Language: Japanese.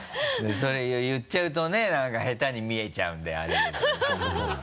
それ言っちゃうとね何かヘタに見えちゃうんであれですけど。